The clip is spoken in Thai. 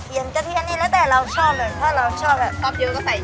จะเทียนจะเทียนนี่แล้วแต่เราชอบเลยถ้าเราชอบแล้วชอบเยอะก็ใส่เยอะ